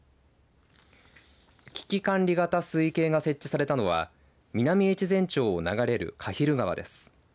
危機管理型水位計が設置されたのは南越前町を流れる鹿蒜川です。